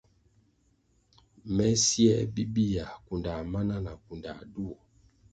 Me siē bibihya, kundā mana na na kunda duo.